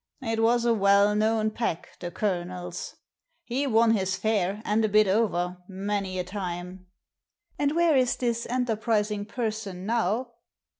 It was a well known pack, the Colonel's. He won his fare, and a bit over, many a time." "And where is this enterprising person now?"